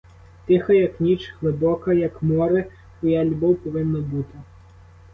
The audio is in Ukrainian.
Тиха, як ніч, глибока, як море, твоя любов повинна бути.